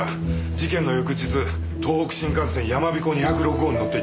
事件の翌日東北新幹線やまびこ２０６号に乗っていた。